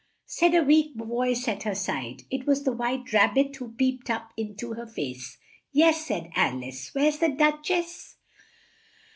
said a weak voice at her side. It was the White Rab bit who peeped up in to her face. "Yes," said Al ice: "where's the Duch ess?"